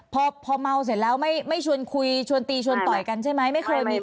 พอเมาเสร็จแล้วไม่ชวนคุยชวนตีชวนต่อยกันใช่ไหมไม่เคยมี